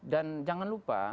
dan jangan lupa